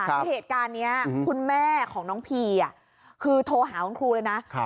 คือเหตุการณ์นี้คุณแม่ของน้องพีคือโทรหาคุณครูเลยนะ